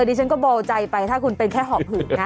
ดิฉันก็เบาใจไปถ้าคุณเป็นแค่หอบหืดนะ